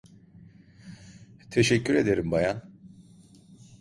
Teşekkür ederim bayan.